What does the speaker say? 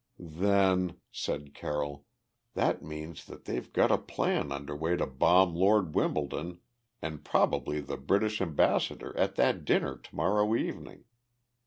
"Then," said Carroll, "that means that they've got a plan under way to bomb Lord Wimbledon and probably the British ambassador at that dinner to morrow evening.